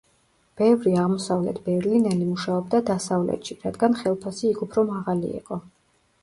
ბევრი აღმოსავლეთ ბერლინელი მუშაობდა დასავლეთში, რადგან ხელფასი იქ უფრო მაღალი იყო.